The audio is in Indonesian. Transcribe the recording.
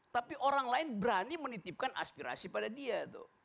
tapi orang lain berani menitipkan aspirasi pada dia tuh